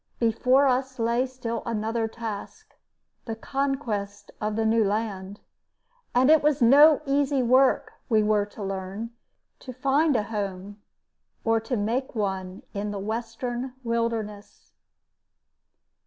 Before us lay still another task the conquest of the new land. And it was no easy work, we were to learn, to find a home or make one in the western wilderness.